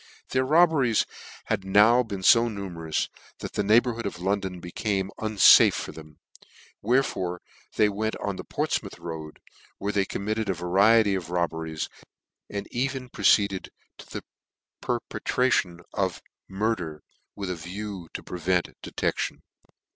Their robberies had now been fo numerous, that the neighbourhood of London became unfafe for them ; wherefore they went on the Portfrnoutb. road, where they committed a variety of robbe ries, and even proceeded to the perpetration of murder, with a view to prevent detection.